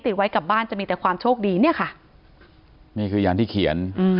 ติดไว้กับบ้านจะมีแต่ความโชคดีเนี่ยค่ะนี่คืออย่างที่เขียนอืม